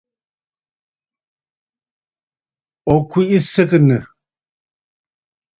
Ò kwìʼi sɨgɨ̀nə̀.